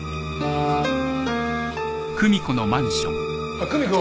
あっ久美子。